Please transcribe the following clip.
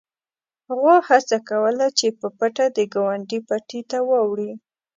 غوا هڅه کوله چې په پټه د ګاونډي پټي ته واوړي.